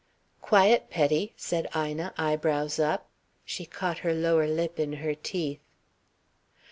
"Quiet, pettie," said Ina, eyebrows up. She caught her lower lip in her teeth.